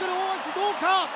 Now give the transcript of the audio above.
どうか。